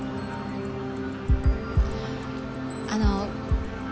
あの。